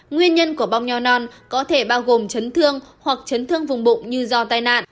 nguyên nhân của bong nho non có thể bao gồm chấn thương hoặc chấn thương vùng bụng như do tai nạn